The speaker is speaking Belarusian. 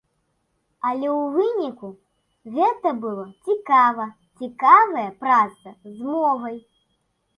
Але ў выніку гэта было цікава, цікавая праца з мовай.